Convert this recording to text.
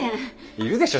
いるでしょ？